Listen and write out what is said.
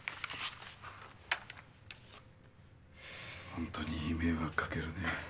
ホントに迷惑かけるね。